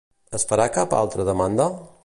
Es farà cap altra demanda?